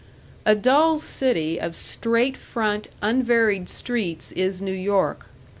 A dull city of straight front unvaried streets is New York.